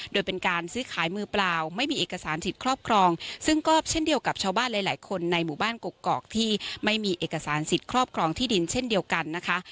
โดยเป็นการซื้อขายมือเปล่าไม่มีเอกสารสิทธิ์ครอบครองซึ่งก็เช่นเดียวกับชาวบ้านหลายคนในหมู่บ้านกกอกที่ไม่มีเอกสารสิทธิ์ครอบครองที่ดินเช่นเดียวกันนะคะ